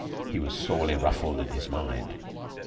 He was sorely ruffled in his mind.